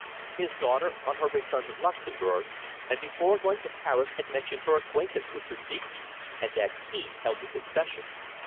His daughter, on her return to Luxemburg, and before going to Paris, had mentioned her acquaintance with Sir Digby, and that he held the concession.